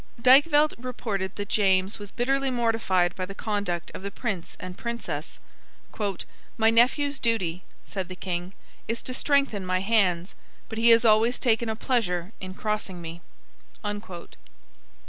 Dykvelt reported that James was bitterly mortified by the conduct of the Prince and Princess. "My nephew's duty," said the King, "is to strengthen my hands. But he has always taken a pleasure in crossing me."